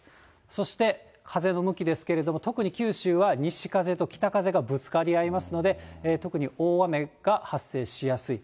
そして、風の向きですけれども、特に九州は西風と北風がぶつかり合いますので、特に大雨が発生しやすい。